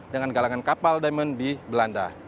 dengan galangan kapal diamond di belanda